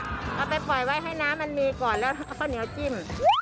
เอาไปปล่อยไว้ให้น้ำมันมีก่อนแล้วเอาข้าวเหนียวจิ้ม